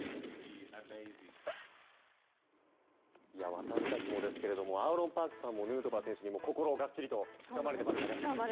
私たちもですけどアーロン・パークさんもヌートバー選手に心をがっちりとつかまれていましたね。